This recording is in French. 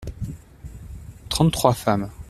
Trente-trois femmes.